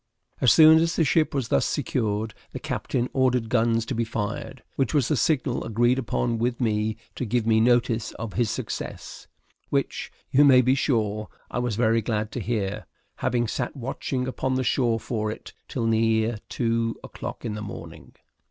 As soon as the ship was thus secured, the captain ordered guns to be fired, which was the signal agreed upon with me to give me notice of his success, which, you may be sure, I was very glad to hear, having sat watching upon the shore for it till near two o'clock in the morning.